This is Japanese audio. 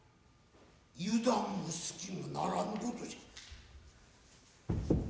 油断も隙もならぬことじゃ。